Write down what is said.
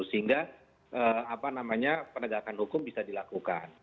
sehingga penegakan hukum bisa dilakukan